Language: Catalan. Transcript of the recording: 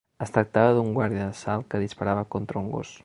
Es tractava d'un guàrdia d'assalt que disparava contra un gos